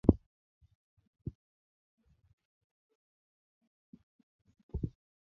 د افلاطون اليګارشي حکومت زيات خوښ وي.